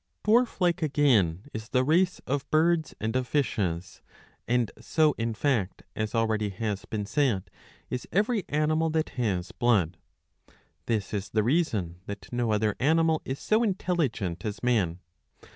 ^'' Dwarf like again is the race of birds and of fishes ; and so in ■fact, as already has been said, is every animal that has blood. This ig the reason that no other animal is so intelligent as man.